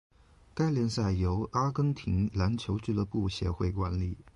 该联赛由阿根廷篮球俱乐部协会管理。